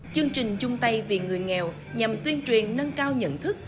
chương trình chung tay vì người nghèo nhằm tuyên truyền nâng cao nhận thức